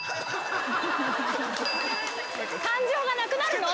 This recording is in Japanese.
感情がなくなるの？